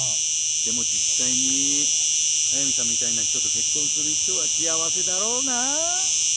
でも実際に速見さんみたいな人と結婚する人は幸せだろうな。